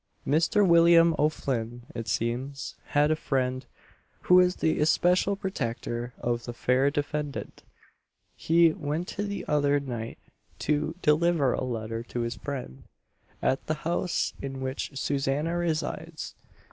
Mr. William O'Flinn, it seems, had a friend, who is the especial protector of the fair defendant. He went the other night, to deliver a letter to this friend, at the house in which Susanna resides.